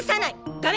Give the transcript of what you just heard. ダメ！